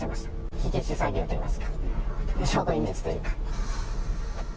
火消し作業といいますか、証拠隠滅というか。